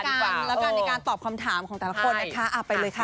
อกิริยังไปดูอาการในการตอบคำถามของแต่ละคนนะคะไปเลยค่ะ